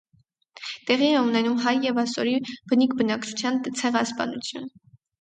Տեղի է ունենում հայ և ասորի բնիկ բնակչության ցեղասպանություն։